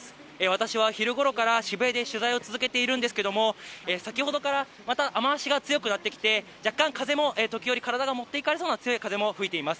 私は昼ごろから、渋谷で取材を続けているんですけれども、先ほどからまた雨足が強くなってきて、若干、風も時折、体を持っていかれるような強い風も吹いています。